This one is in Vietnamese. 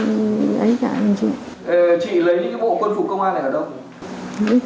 chị lấy bộ quân phục công an này ở đâu